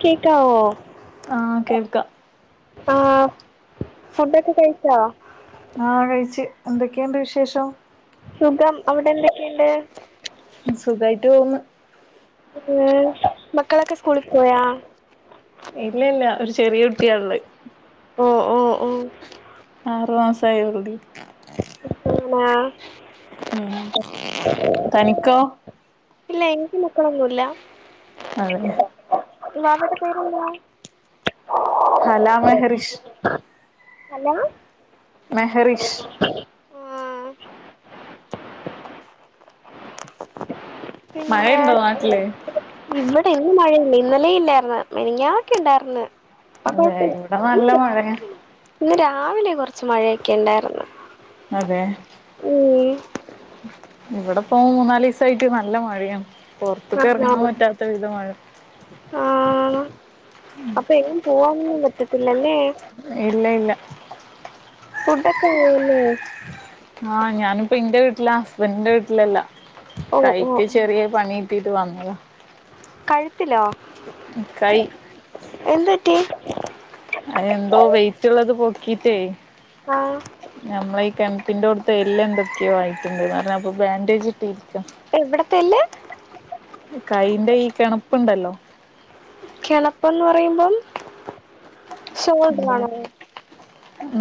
കേക്കാവോ ആഹ് കേൾക്കാം ആഹ് ഫുഡൊക്കെ കഴിച്ചോ ആഹ കഴിച്ച് എന്തൊക്കെയുണ്ട് വിശേഷം സുഖം അവിടെ എന്തൊക്കെയുണ്ട് സുഖയിട്ട് പോകുന്ന് മക്കളൊക്കെ സ്കൂളി പോയാ ഇല്ലില്ല ഒരു ചെറിയ കുട്ടിയ ഉള്ളെ ഓഹ് ഓഹ് ഓഹ് ഓഹ് ആറുമാസം ആയെ ഉള്ളെടി [unintelligible] ആണ തനിക്കോ ഇല്ല എനിക്ക് മക്കളൊന്നുവില്ല അതെയോ വാവേടെ പേരെന്താ ഹല മെഹ്റിഷ് ഹലാ മെഹറിഷ് പിന്നെ മഴയുണ്ടോ നാട്ടില് ഇവിടെ ഇന്ന് മഴയില്ല ഇന്നലെ ഇല്ലായിരുന്ന് മെനിഞ്ഞന്ന് ഒക്കെ ഉണ്ടായിർന്ന് ഇപ്പോ അതെ കൊഴപ്പില്ല ഇവിടെ നല്ല മഴയാ ഇന്ന് രാവിലെ കുറച്ച് മഴയൊക്കെ ഉണ്ടായിരുന്നു അതെ ഉം ഇവിടിപ്പോ മൂന്നാല് ദിവസായിട്ട് നല്ല മഴയാണ് പുറത്തക്ക് ഇറങ്ങാൻ പറ്റാത്ത വിധ മഴ ആഹ് അപ്പൊ എങ്ങും പോവാൻ ഒന്നും പ റ്റത്തില്ലല്ലേ ഇല്ല ഇല്ല ഫുഡക്കെങയൊ ആഹ് ഞാനിപ്പ എന്റെ വീട്ടില ഹസ്ബൻഡിന്റെ വീട്ടിലല്ല ഓ ഓ ഓ. കൈക്ക് ചെറിയ പണി കിട്ടിട്ട് വന്നതാ കഴുത്തിലോ കൈ എന്ത് പറ്റി അത് എന്തോ വെയിറ്റുള്ളത് പൊക്കീട്ടേ ആ ഞമ്മള ഈ കെണുപ്പിന്റെ അടു ത്ത എല്ല് എന്തൊക്കെയോ ആയിട്ടുണ്ടോന്ന് പറഞ്ഞ് അപ്പൊ ബാൻഡേജ് ഇട്ടിരിക്കാം എവിടത്ത എല്ല് കൈന്റെ ഈ കെണപ്പുണ്ടല്ലോ കെണപ്പെന്ന് പറയുമ്പം ഷോൾഡർ ന്ത ആണോ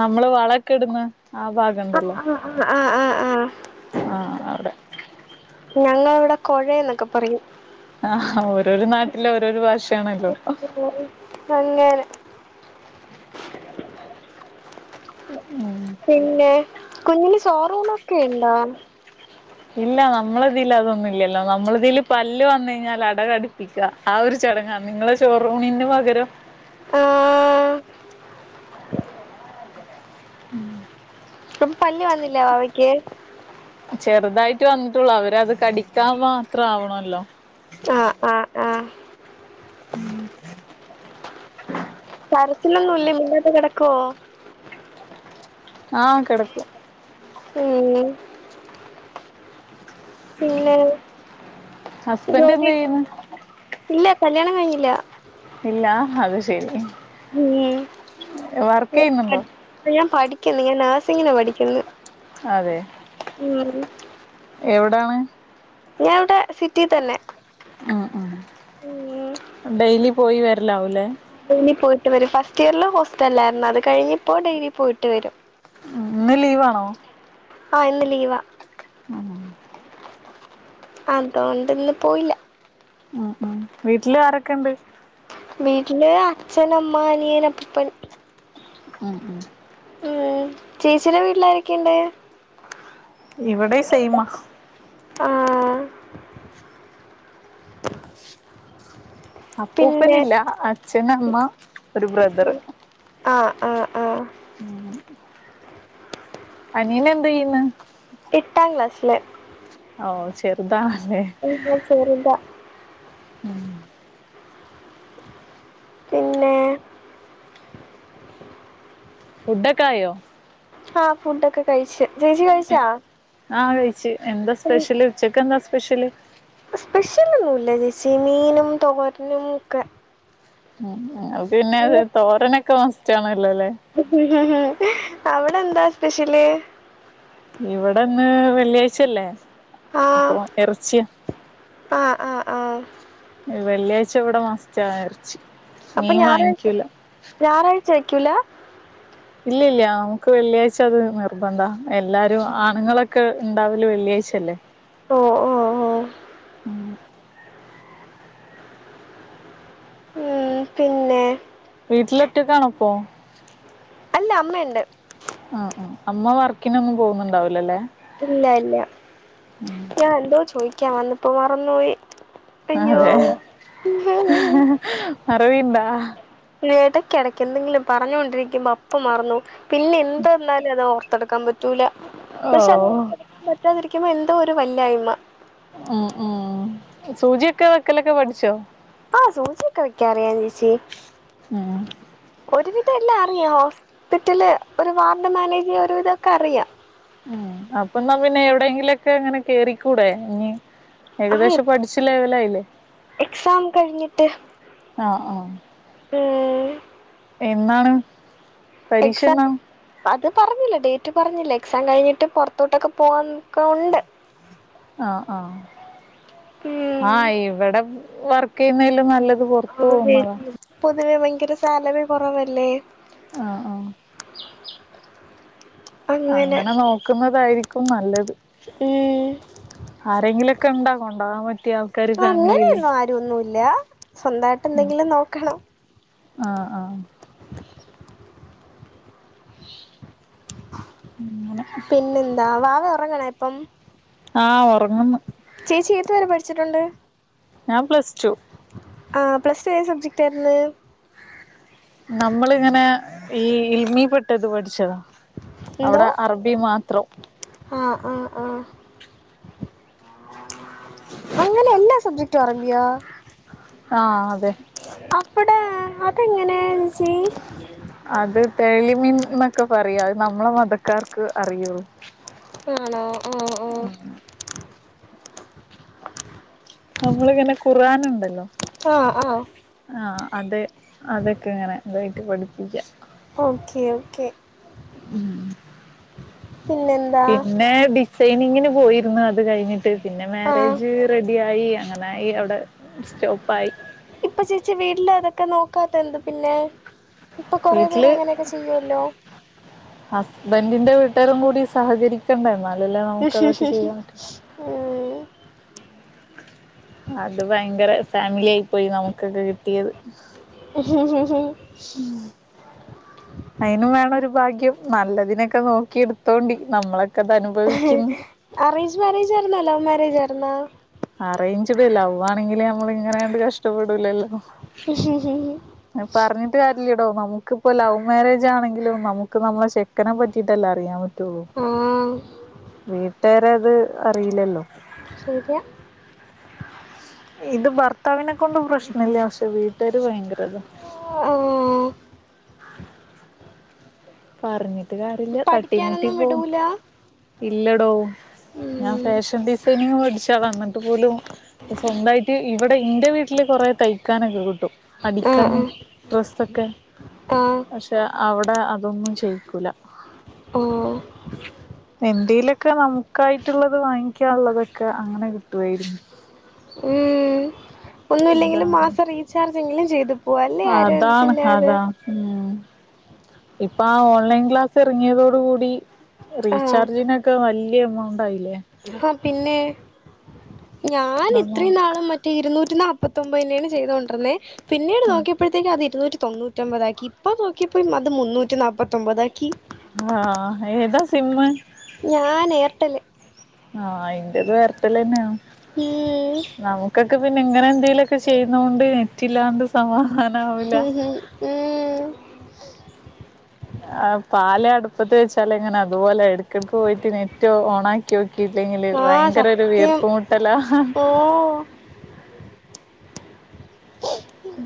നമ്മള് വളക്കെ ഇടന്ന് ആ ഭാഗ ആ ആ ഉ ആ ആ ആ ആ അവിടെ ഞങ്ങളിവിടെ കൊഴയെന്നൊക്കെ പറയും ആഹ ഓരോരു നാട്ടിലെ ഓരോരു ഭാഷയാണല്ലോ അങ്ങനെ പിന്നെ കുഞ്ഞിന് സോറൂണോക്കെ ണ്ടാ ഇല്ല നമ്മളതീല് അതൊന്നുല്ലല്ലോ നമ്മള തീല് പല്ല് വന്നഴിഞ്ഞാൽ അടകടിപ്പി [unintelligible] ആ ഒരു ചടങ്ങാ നിങ്ങളെ ചോറൂണിന്ന് പകരം ആഹ്‌ ഉം പല്ല് വന്നില്ലേ വാവയ്ക്ക് ചെറ്തായിട്ട് വന്നിട്ടുള്ളൂ അവരത് കടിക്കാംമാത്രം ആവണല്ലോ ആ ആഹ്‌ ഉം കരച്ചിലൊന്നും ഇല്ല മുന്നോട്ട് കിടക്കോ ആഹ് കിടക്കും ഉം പിന്നെ ഹസ്ബൻഡ് [unintelligible] എന്ത് ചെയ്യുന്നു ഇല്ല കല്യാണം കഴിഞ്ഞില്ല ഇല്ലാഹ് അത് ശരി [unintelligible] വർക്ക് ചെയ്യുന്നുണ്ടോ ഉ ഞാൻ പഠിക്ക്ന്ന് ഞാൻ നാഴ്സിങ്ങിന് പഠിക്ക്ന്ന് അതെ എവിടാണ് ഞാൻ ഇവിടെ സിറ്റി തന്നെ അ അ ഉം ഡൈലി പോയി വേര്ലാവൂലേ ഡെയിലി പോയിട്ട് വരും ഫസ്റ്റിയർല് ഹോസ്റ്റലായിരുന്നു അത് കഴിഞ്ഞിപ്പോ ഡെയിലി പോയിട്ട് വരും ഉം ഇന്ന് ലീവാണോ ആഹ് ഇന്ന് ലീവാ ഉ [unintelligible] അതോണ്ട് ഇന്ന് പോയില്ല അഹ്‌ അഹ്‌ വീട്ടില് ആരൊക്കെണ്ട് വീട്ടില് അച്ഛനമ്മ അനിയൻ അപ്പൂപ്പൻ ഉം ഉം ഉം ചേച്ചിടെ വീട്ടില് ആരൊക്കെണ്ട് ഇവിടെ സെയ്മ ആഹ് പിന്നെ അപ്പൂപ്പനില്ല അച്ഛന് അമ്മ ഒരു ബ്രദറ് ആഹ്‌ ആഹ്‌ ആഹ്‌ ഉ [unintelligible] അനിയന് എന്ത്‌ യ്യന്ന് എട്ടാ ക്ലാസ്സ്ല് ഓ ചെറുതാണല്ലേ അഹ്‌ ചെറുതാ ഉം പിന്നെ ഫുഡൊക്കായോ ആഹ ഫുഡോക്കെ കഴിച്ച് ചേച്ചി കഴിച്ചാ ആഹ് കഴിച്ചു എന്താ സ്പെഷ്യല് ഉച്ചക്ക് എന്താ സ്പെഷ്യല് സ്പെഷ്യലൊന്നുല്ല ചേച്ചി മീനും തോരനും ഒക്കെ ഉ അ പിന്നെ തോരനൊക്കെ മസ്റ്റാണല്ലോല്ലേ [unintelligible] അവിടെ എന്താ സ്പെഷ്യല് ഇവിടെന്ന് വെള്ളിയാഴ്ചല്ലേ ആഹ് ഓഹ് എറച്ച്യ ആഹ് ആഹ് ആഹ് വെള്ളിയാഴ്ച ഇവടെ മസ്റ്റ എർച്ചി അപ്പം ഞാറാഴ് ഞാറാഴ്ച വെക്കൂല ഇല്ല്യ ഇല്ല്യ നമുക്ക് വെള്ളിയാഴ്ച അത് നിർബന്ധ. എല്ലാരു ആണുങ്ങളോ ക്ക് ണ്ടാവല് വെള്ളിയാഴ്ച്ചല്ലെ ഓ ഓഹ് ഉം ഉം പിന്നെ വീട്ട്ലൊറ്റക്കാണൊപ്പൊ അല്ല അമ്മെണ്ട് ആഹ് ആഹ് അമ്മ വർക്കിനൊന്നും പോവ്ന്ന്ണ്ടാവില്ലലെ ഇല്ല ഇല്ല ഞാ എന്തോ ചൊയ്ക്ക വന്ന്പ്പൊ മറന്ന് പോയി അയ്യോ അതെ മറവിണ്ടാ എടക്ക് എടയ്ക്ക് എന്തെങ്കിലും പറഞൊണ്ടരിക്കുമ്പം അപ്പം മറന്നോവും പിന്നെ എന്തന്നാലും അത് തട്ക്കാൻ പറ്റൂല. ഓ പഷെ അത് തട്ക്കാൻ പറ്റാതിരിക്കുമ്പൊ എന്തോ ഒര് വല്ലാഴ്മ ഉം ഉം സൂചിയൊക്കെ വെക്കലൊക്കെ പഠ്ച്ചൊ. ആഹ് സൂച്ചിയൊക്കെ വെക്ക അറിയാം ചേച്ചി ഉം ഒര് തെല്ലാ അറിയാവൊ? ഹോസ്പിറ്റില് ഒര് വാർഡ് മാനേജ് ഒരു വിതൊക്കെ അറിയ ഉം അപ്പൊന്നാ പിന്നെ എവിടെങ്കിലൊക്കെ ഇങ്ങനെ കേറിക്കൂടെ ഇഞി ആ ഏകദേശം പഠിച്ച് ലെവലായിലെ എക്സാം കഴിഞ്ഞിട്ട് ആഹ് ആഹ് [unintelligible] എന്നാണ് പരീക്ഷ എക്സ എന്നാണ് അത് പറഞ്ഞില്ല. ഡേറ്റ് പറഞ്ഞില്ല എക്സാം കഴിഞ്ഞിട്ട് പൊറ്ത്തോട്ടൊക്കെ പോണന്നൊക്ക ഉണ്ട്. ആഹ് ആഹ് ഉം. ആഹ് ഇവെടെ വർക്കീയ്യുന്നയിലും നല്ലത് പുറത്തു പോകുന്നതാ പൊതുവെ ഭയങ്കര സാലറി കൊറവല്ലേ ആഹ് ആഹ് അങ്ങനെ നോക്കുന്നതായിരിക്കും നല്ലത് ഉം ആരെങ്കിലൊക്കണ്ട കൊണ്ടാവ പറ്റിയ ആൾക്കാര് ഫാമിലിയില് അങ്ങനെന്നും ആരും ഒന്നുല്ല ഉം സ്വന്തായിട്ടെന്തെങ്കിലും നോക്കണം ആഹ് ആഹ് ഉം ഇങ്ങന പിന്നെന്താ വാവ ഒറങ്ങണൊ ഇപ്പം ആഹ് ഒറങ്ങ്ന്ന് ചേച്ചീ ഏത് വരെ പഠിച്ചിട്ടുണ്ട് ഞാൻ പ്ലസ്റ്റു ആഹ് പ്ലസ്ടു ഏത് സബ്ജക്റ്റായിര്ന്ന് നമ്മളിങ്ങനേ ഈ ഇൽമീ പ്ട്ടത് പഠ്ച്ചതാ അവടെ അറബീ മാത്രം ആഹ് ആഹ് ആഹ് അങ്ങനെ എല്ലാ സബ്ജ റ്റൊറങ്ങിയോ? ആഹ് അതെ അവ്വടെ അതെങ്ങനേ ച്ചീ അത് തെളിമീൻ ന്നൊക്ക പറയും അത് നമ്മളെ മതക്കാർക്ക് അറിയു ആണൊ ആഹ് ആഹ് ഉം ഉം നമ്മള്ങ്ങന ഖുആൻ ഇണ്ടല്ലൊ ആഹ് ആഹ് ആഹ് അതെ അതെക്കങ്ങന ഇതായ്ട്ട് പഠിപ്പിക്ക. ഓക്കേ ഓക്കേ ഉം ഉം പിന്നെന്താ പിന്നേ ഡിസൈനിങ്ങിന് പോയിരുന്നു അത് കഴിഞ്ഞിട്ട് ട്ട് പിന്നെ ആ മാരേജ് റെഡി ആയി അങ്ങനായി അവടെ സ്റ്റോപ്പായി ഇപ്പൊ ചേച്ചി വീട്ടില് അതൊക്കെ നോക്കാത്തെന്ത പിന്നേ ഇപ്പൊ കൊറേ പേര് വീട്ടില് അങ്ങനെക്കെ ചെയ്യുല്ലോ ഹസ്ബൻഡിന്റെ വീട്ടാരും കൂടി സഹകരിക്കണ്ടേ എന്നാലല്ലേ നമുക്കതൊക്കെ ചെയ്യാൻ പറ്റും ഉം അത് ഭയങ്കര ഫാമിലി ആയി പോയി നമുക്കൊക്കെ കിട്ടിയത് ഹും ഹും ഹു ഉം അയിനും വേണം ഒരു ഭാഗ്യം. നല്ലതിനൊക്കെ നോക്കി എടുത്തോണ്ടി നമ്മളൊ അറേഞ്ച് മാരേജായിരുന്നോ ലവ് മാരേജായിരുന്നോ? അറേഞ്ച്ഡ് ലവ്വാണെങ്കില് നമ്മള്ങ്ങനെണ്ട് കഷ്ടപ്പെടൂലല്ലോ? ഹും ഹും ഹു ട്ട് കാര്യല്ലടോ നമുക്ക്പ്പോ ലവ് മാരേജാണെങ്കിലും നമുക്ക് നമ്മളെ ചെക്കനെ പറ്റിട്ടല്ലേ അറിയാ തോ ആ വീട്ടേരത് അറിയില്ലല്ലോ? ശരിയാ ഇത് ഭർത്താവിനെ കൊണ്ട് പ്രശ്നല്ല പക്ഷേ വീട്ടേര് ഭയങ്കരതാ. ഊ ഉം പറഞ്ഞിട്ട് കാര്യല്ല. തട്ടി മുട്ടി പഠിക്കാനൊന്നും പോവും. വിടൂല ഇല്ലടോ ഞാൻ ഉം. ഫാഷൻ ഡിസൈനിങ് പഠിച്ചാളാ ന്നിട്ട് പോലും സ്വന്തായിട്ട് ഈ ഇബടെ ഇന്റെ വീട്ടില് കൊറേ തയ്ക്കാനൊക്കെ കിട്ടും അടിക്കാന് ഡ്രസ്സൊക്കെ ആഹ് പക്ഷേ അവടേ അതൊന്നും ചെയ്യിക്കൂല. ആഹ് എന്തേലൊക്കെ നമുക്കായിട്ടുള്ളത് വാങ്ങിക്കാള്ളതൊക്കെ അങ്ങനെ കിട്ടുവായിരുന്നു. ഉം ഇതാ ഒന്നൂല്ലെങ്കിലും മാസം റീചാർജെങ്കിലും ചെയ്തു പോവാം അല്ലേ അതാണ് ആരരുംതില്ലാതെ അതാ ഉം ഇപ്പാ ആ ഓൺലൈൻ ക്ലാസ് ഇറങ്ങിയതോടു കൂടി ആ റീചാർജിനൊക്കെ വല്ല്യ എമൗണ്ട് ആയിലേ? ഹാ പിന്നേ ഞാൻ അതാ ഇത്രേം അവർക്ക് നാളും മറ്റ് റ്റേ ഇരുന്നൂറ്റി നാപ്പത്തൊമ്പതിന്റെണ് ചെയ്തോണ്ടിര്ന്നേ പിന്നീട് നോക്കിയപ്പഴത്തേക്ക് അത് ഇരുന്നൂറ്റി തൊണ്ണൂറ്റി ഒമ്പതാക്കി ഇപ്പൊ നോക്കിയപ്പോ അത് മുന്നൂറ്റി നാപ്പത്തൊമ്പതാക്കി. ഹാഹ് ഏതാ സിമ്മ്? ഞാൻ എയർട്ടൽ. ആഹ് ഇന്റതും എയർടെല്ലന്നേണ് ഉം. നമുക്കൊക്കെ പി ന്നിം ഇങ്ങനെ എന്തേലൊക്കെ ചെയ്യുന്നോണ്ട് നെറ്റില്ലാണ്ട് സമാധാനാവില്ല. ഉം ഹും. ഉം ആ പാല് അടുപ്പത്ത് വെച്ചാല്ങ്ങനെ അതുപോലായി. എടക്കെടക്ക് പോയിട്ട് നെറ്റ് ഓ ഓണാക്കിയോക്കിയില്ലെങ്കില് ആ ഭയങ്കരൊരു സത്യം വീർപ്പുമുട്ടലാ. ഓ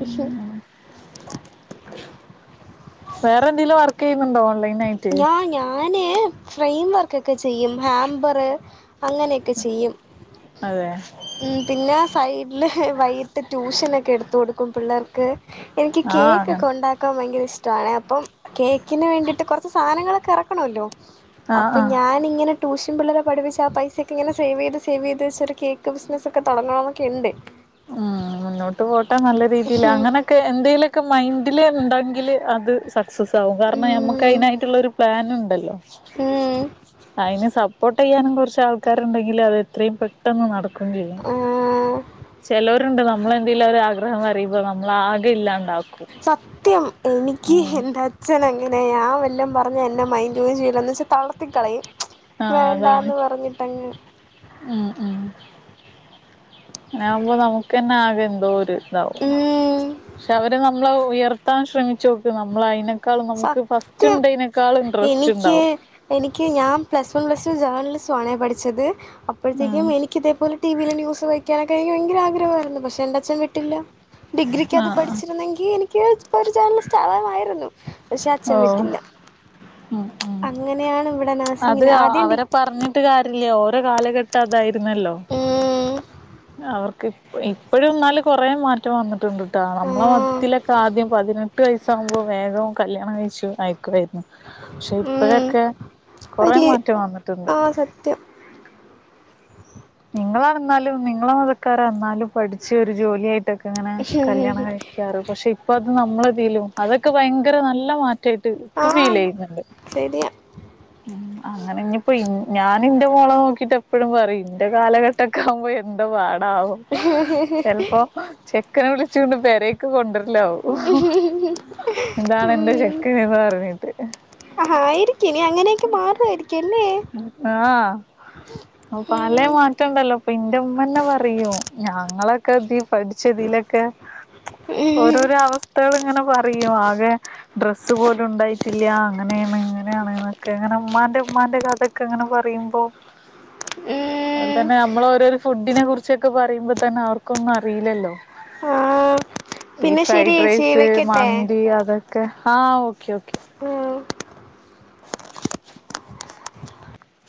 അയ്ഷേ വേറെന്തേലും വർക്ക്യ്യുന്നുണ്ടോ ഓൺലൈൻ നോ നോ ഞാന് ഫ്രെയിം വർക്കൊക്കെ ചെയ്യും ഹാമ്പറ് അങ്ങനെയൊക്കെ ചെയ്യും. അതേ ഉം പിന്നെ സൈഡില് വൈകിട്ട് ട്യൂഷനൊക്കെ എടുത്തൊടുക്കും പിള്ളേർക്ക്. എനിക്ക് ആഹ് കേക്കൊക്കെ അങ്ങനെ ഉണ്ടാക്കാൻ ഭയങ്കര ഇഷ്ടാണ് അപ്പം കേക്കിന് വേണ്ടിയിട്ട് സാനങ്ങളൊക്കെ അറക്കണല്ലോ ആഹ് അപ്പൊ ആഹ് ഞാൻ പിന്നിങ്ങനെ ട്യൂഷൻ പിള്ളരെ പഠിപ്പിച്ച് ആ പൈസക്കെങ്ങനെ സേവീത് സേവീത് വെച്ച്ട്ട് ഒരു കേക്ക് ബിസിനസ്സൊക്കെ തൊടങ്ങണംന്നൊക്കെണ്ട്. ഉം മുന്നോട്ട് പോട്ടേ നല്ല രീതിയില് അങ്ങനെ എന്തെങ്കിലുക്കെ മൈൻഡിൽ ഉണ്ടെങ്കിൽ അത് സക്സസ് ആകും. കാരണം ഞമ്മക്ക് ഉം അയിനായിട്ടുള്ളരു പ്ളാൻ ഉണ്ടല്ലോ ഉം അയിന് സപ്പോർട്ട്യ്യാനും കൊറച്ച് ആൾക്കാരുണ്ടെങ്കിൽ അത് എത്രയും പെട്ടെന്ന് നടക്കുയും ചെയ്യും. ആ, ചെലൊരുണ്ട് നമ്മളെന്തെങ്കിലും ഒരാഗ്രഹം അറിയുമ്പോ നമ്മളാകെ ഇല്ലാണ്ടാക്കും. സത്യം എനിക്ക് ഉം എന്താ അച്ഛനങ്ങനെയാ ഞ വെല്ലം പറഞ്ഞ് എ്ന്നെ മൈൻഡ് പോലും ചെയിലന്ന് വെച്ച് തളർത്തിക്കളയും. ആഹ് അതാണ് വേണ്ടാന്ന് പറഞ്ഞിട്ടങ്ങ് ആഹ് മ് - അങ്ങനാമ്പോ നമുക്ക്ന്നെ ആകെ എന്തോ ഒരു ഇതാവും ഉം. പക്ഷെ അവര് നമ്മള ഉയർ- ത്താൻ ശ്രമിച്ച്നോക്ക് നമ്മൾ അയിനക്കാളും നമുക്ക് ഫസ്റ്റ് സത്യം ഇണ്ടായിനേക്കാളും എനിക്ക് ഇൻറ്രസ്റ്റ്ണ്ടാവും- എനിക്ക് ഞാൻ plus one plus two journalism ആണേ പഠിച്ചത് ഉം അപ്പഴ്ത്തേക്കും എനിക് ക്ക് ഇതേപലെ ടിവിയില് ന്യൂസ്‌ വയ്ക്കാനൊക്കെ നിക്ക് ഭയങ്കര ആഗ്രഹയിരുന്നു പക്ഷേ എന്റെച്ഛൻ വിട്ടില്ല- ഡിഗ്രിക്ക് ആഹ് അത് ആഹ് പഠിച്ചിരുന്നെങ്കിൽ എനിക്ക് ഒരു ജോണലിസ്റ്റാവാമായിരുന്നു- ഓഹ് ഉം ഉം അങ്ങനെയാണ് ഇവിടെ അത് നഴ്സിങ്ങിന് ആദ്യം ഡി അവരെ പറഞ്ഞ്- ട്ട്കാരില്ലാ ഓരോ കാലഘട്ടം അതായിരുന്നല്ലോ- ഉം. അവർക്ക് ഇപ്പോഴുംന്നാല് കൊറേ മാറ്റം വന്നിട്ടുണ്ട്- നമ്മള ആഹ് മതത്തിലൊക്കെ ആദ്യം പതിനെട്ട് എട്ടു വയസാകുമ്പോ വേഗം കല്യാണം കഴിച്ച അയക്കുവായിരുന്നു. ച്ചു ഉം ഇപ്പോഴൊക്കെ കൊറെ മാറ്റം വന്നിട്ടുണ്ട്- ത്യം- നിങ്ങളന്നാലും നിങ്ങളെ മതക്കാരന്നാലും പഠിച്ച് ഒരു ജോലിയയി- ട്ടെക്കെ ഇങ്ങനെ കല്യാണം കഴിക്കാറ് പക്ഷെ ഇപ്പൊ അത് നമ്മലതിലും അതൊക്കെ ഭയങ്കര നല്ല മാറ്റം- എടക് ആഹ് ഫീൽയ്യുന്നുണ്ട്- ശരിയാ ഉം അങ്ങനെ ഇനിപ്പോ ഞാനിൻന്റെ മോളെനോക്കിട്ട് എപ്പഴും പറയും- എന്റെ കാലഘട്ടൊക്കെ ആകുമ്പോ എന്ത പാടാകും ചെലപ്പോ- ചെക്കനെ വിളിചോണ്ട് പെരേക്ക കൊണ്ടരും- ല്ലോ ഉം ഇതാണ് എന്റെ ചെക്കനന്ന്റഞ്ഞിട്ട്- ആഹ് ആയിരിക്കും ഇനി അങ്ങനെയൊക്കെ മാറു ആയിരിക്കും ല്ലെ- ആഹ്‌ അപ്പ പലെ ഉം മാറ്റംണ്ടല്ലോ പ്പൊ ന്റെ ഉമ്മന്നെ പറയും ഞങ്ങളൊക്കെ- പഠിച്ചതിലൊക്കെ ഉം ഓരോരോ അവസ്ഥകൾ ഇങ്ങനെ പറയും ആകെ- ഡ്രസ്സ് പോലും ഉണ്ടായിട്ടില്ല അങ്ങനെയാണ് ഇങ്ങനെയാണ്ന്നൊക്കെ അങ്ങടെമ്മാന്റെഉമ്മാൻ്റെ കാലത്ത്- അതൊക്കെ അങ്ങനെ പറയുമ്പോ- ഉം അത്പോലതന്നെ നമ്മള് ഓരോരോ ഫുഡിനെ കുറിച്ചൊക്കെ പറയുമ്പോ തന്നെ അവർക്കൊന്നും അറിയില്ലല്ലോ- ഓഹ് - ഈ ഫ്രൈഡ് റൈസ് മന്തി അതൊക്കെ ആഹ്‌ ഓക്കെ ഓക്കേ- ഉം-